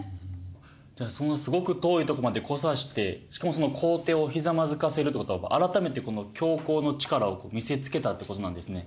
じゃあそのすごく遠いとこまで来さしてしかもその皇帝をひざまずかせるってことは改めて教皇の力を見せつけたってことなんですね。